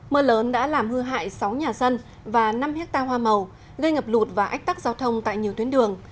mưa lớn đã làm hư hại sáu nhà dân và năm hectare hoa màu gây ngập lụt và ách tắc giao thông tại nhiều tuyến đường